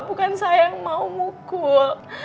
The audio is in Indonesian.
bukan saya yang mau mukul